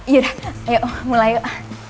yaudah ayo mulai yuk